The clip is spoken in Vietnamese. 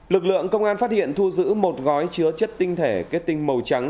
lực lượng công an phát hiện thu giữ một gói chứa chất tinh thể kết tinh màu trắng